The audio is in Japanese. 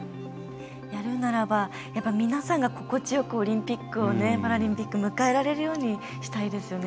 やるならば皆さんが心地よくオリンピック・パラリンピック迎えられるようにしたいですよね。